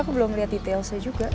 aku belum lihat detail saya juga